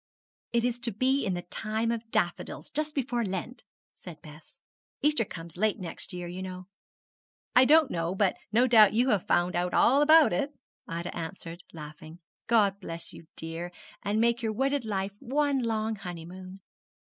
'It is to be in the time of daffodils, just before Lent,' said Bess; 'Easter comes late next year, you know.' 'I don't know; but no doubt you have found out all about it,' Ida answered, laughing. 'God bless you, dear, and make your wedded life one long honeymoon!'